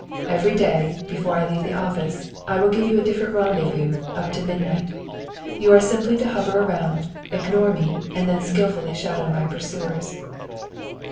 Every day, before I leave the office, I will give you a different rendezvous, up to midnight. You are simply to hover around, ignore me, and then skilfully shadow my pursuers."